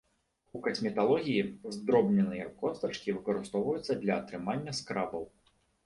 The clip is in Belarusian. У касметалогіі здробненыя костачкі выкарыстоўваюцца для атрымання скрабаў.